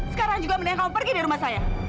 sekarang juga mending kamu pergi dari rumah saya